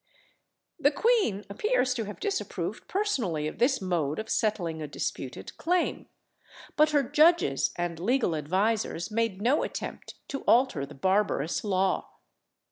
] The queen appears to have disapproved personally of this mode of settling a disputed claim, but her judges and legal advisers made no attempt to alter the barbarous law.